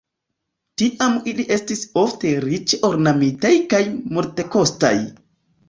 Tiam ili estis ofte riĉe ornamitaj kaj multekostaj.